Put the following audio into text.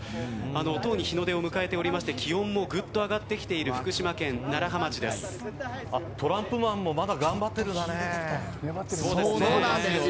とうに日の出を迎えておりまして気温もぐっと上がってきているトランプマンもそうなんですよ。